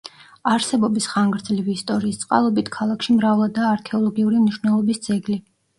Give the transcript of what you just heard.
არსებობის ხანგრძლივი ისტორიის წყალობით, ქალაქში მრავლადაა არქეოლოგიური მნიშვნელობის ძეგლი.